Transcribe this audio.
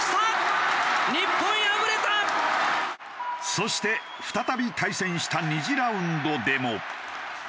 そして再び対戦した２次ラウンドでも。